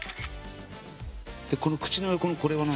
口の横のこれは何？